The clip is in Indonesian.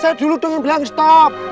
saya dulu yang bilang berhenti